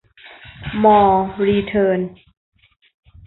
มอร์ รีเทิร์น